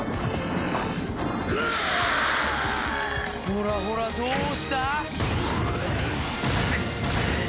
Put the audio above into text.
ほらほらどうした？